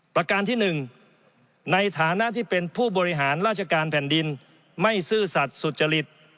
ประการที่๑ในฐานะที่เป็นผู้บริหารราชการแผ่นดินไม่ซื่อสัตว์สุจริต